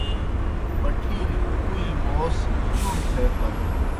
پٹِھیلیْ کُکُوئیں موس چُݨوْ تھے پھت۔